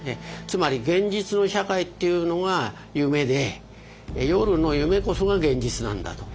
つまり現実の社会っていうのが夢で夜の夢こそが現実なんだと。